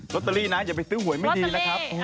ตเตอรี่นะอย่าไปซื้อหวยไม่ดีนะครับ